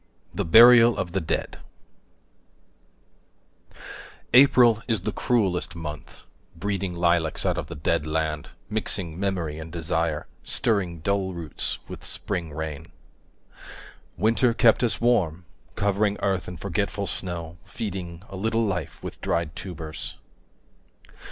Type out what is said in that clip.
THE BURIAL OF THE DEAD APRIL is the cruellest month, breeding Lilacs out of the dead land, mixing Memory and desire, stirring Dull roots with spring rain. Winter kept us warm, covering 5 Earth in forgetful snow, feeding A little life with dried tubers.